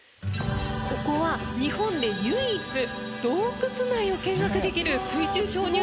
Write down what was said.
ここは日本で唯一洞窟内を見学できる水中鍾乳洞なんです。